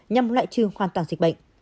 nhằm loại trừ hoàn toàn dịch bệnh